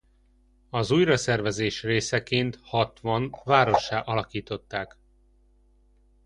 Az újjászervezés részeként Hatvant várossá alakították.